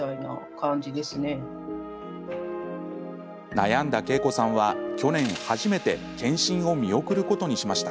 悩んだけいこさんは去年、初めて健診を見送ることにしました。